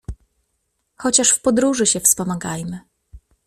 Chociaż w podróży się wspomagajmy.